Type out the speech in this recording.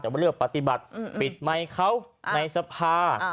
แต่ว่าเลือกปฏิบัติปิดไมค์เขาในสภา